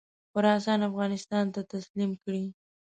خراسان افغانستان ته تسلیم کړي.